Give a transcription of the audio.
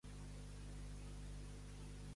Què ha provocat el Tsunami Democràtic?